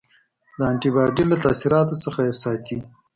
د انټي باډي له تاثیراتو څخه یې ساتي.